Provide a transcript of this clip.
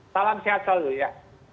salam sehat selalu ya